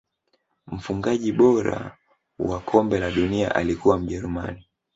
mfungaji bora wa kombe la dunia alikuwa mjerumani